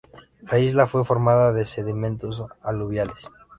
La isla fue formada de sedimentos aluviales.